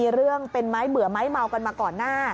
มีเรื่องเป็นไม้เบื่อไม้เมากันมาก่อนหน้า